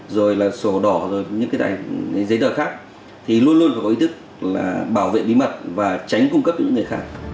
rồi là sổ đỏ rồi những cái giấy tờ khác thì luôn luôn phải có ý thức là bảo vệ bí mật và tránh cung cấp những người khác